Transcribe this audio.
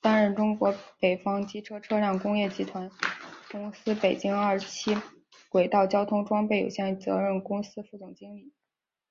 担任中国北方机车车辆工业集团公司北京二七轨道交通装备有限责任公司副总经理。